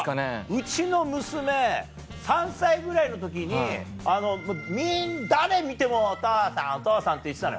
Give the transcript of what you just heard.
うちの娘３歳ぐらいの時に誰見ても「お父さんお父さん」って言ってたのよ。